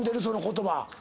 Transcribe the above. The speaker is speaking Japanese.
その言葉。